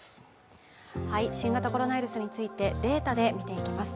新型コロナウイルスについてデータで見ていきます。